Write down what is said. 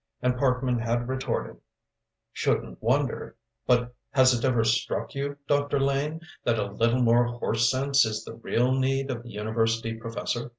and Parkman had retorted, "Shouldn't wonder, but has it ever struck you, Dr. Lane, that a little more horse sense is the real need of the university professor?"